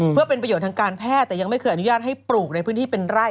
เพื่อเป็นประโยชน์ทางการแพทย์แต่ยังไม่เคยอนุญาตให้ปลูกในพื้นที่เป็นไร่